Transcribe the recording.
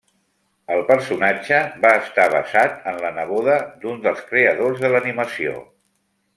El personatge va estar basat en la neboda d'un dels creadors de l'animació.